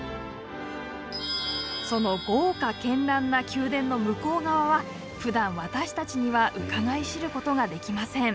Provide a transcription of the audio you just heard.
その豪華絢爛な宮殿の向こう側はふだん私たちにはうかがい知ることができません。